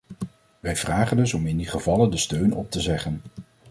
Wij vragen dus om in die gevallen de steun op te zeggen.